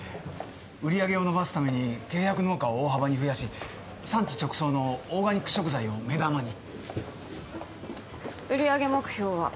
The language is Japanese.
売り上げを伸ばすために契約農家を大幅に増やし産地直送のオーガニック食材を目玉に売り上げ目標は？